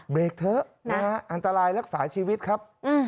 เบรกเถอะนะฮะอันตรายรักษาชีวิตครับ